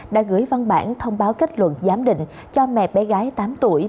đã gửi văn bản thông báo kết luận giám định cho mẹ bé gái tám tuổi